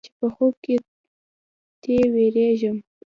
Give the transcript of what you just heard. چې په خوب کې تې وېرېږم.